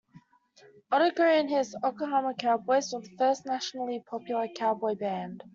Otto Gray and his Oklahoma Cowboys were the first nationally popular cowboy band.